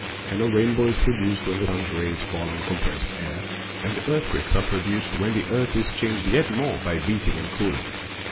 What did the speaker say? And a rainbow is pro duced when the sun's rays fall on compressed air ;? and earthquakes are produced when the earth is changed yet: more by heating and cooling.